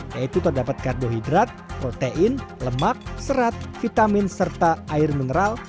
yaitu terdapat karbohidrat protein lemak serat vitamin serta air mineral